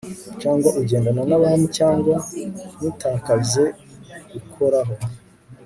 Cyangwa ugendane nabami cyangwa ntutakaze gukoraho